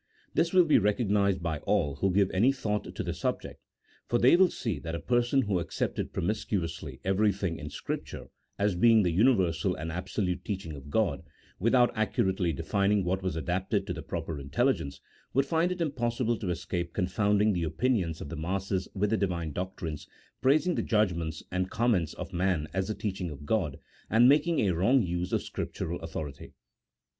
This will be recognized by all who give any thought to the subject, for they will see that a person who accepted promiscuously everything in Scripture as being the universal and abso lute teaching of God, without accurately defining what was adapted to the popular intelligence, would find it impossible to escape confounding the opinions of the masses with the Divine doctrines, praising the judgments and comments of man as the teaching of God, and making a wrong use of Scriptural authority.